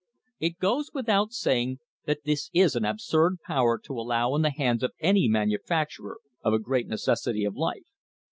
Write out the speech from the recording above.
It goes without saying that this is an absurd power to allow in the hands of any manufac CONCLUSION turer of a great necessity of life.